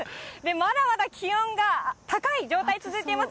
まだまだ気温が高い状態続いています。